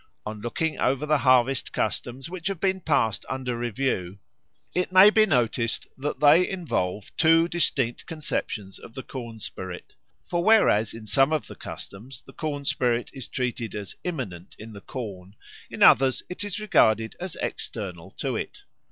On looking over the harvest customs which have been passed under review, it may be noticed that they involve two distinct conceptions of the corn spirit. For whereas in some of the customs the corn spirit is treated as immanent in the corn, in others it is regarded as external to it.